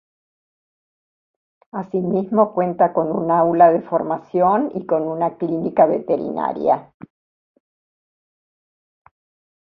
Asimismo, cuenta con un aula de formación y con una clínica veterinaria.